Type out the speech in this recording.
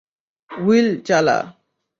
Will, চালা।